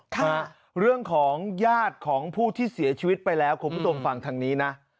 ค่ะเรื่องของญาติของผู้ที่เสียชีวิตไปแล้วคุณผู้ชมฟังทางนี้นะ